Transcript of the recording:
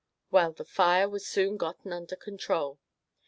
Well, the fire was soon gotten under control.